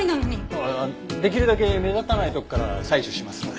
ああできるだけ目立たないとこから採取しますので。